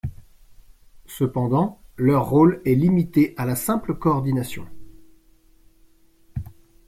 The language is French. Cependant, leur rôle est limité à la simple coordination.